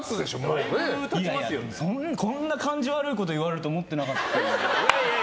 いやいやこんな感じ悪いこと言われると思ってなかったので。